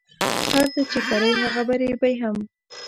هر څه چی کری هغه به ریبی هم